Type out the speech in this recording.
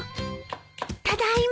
ただいま！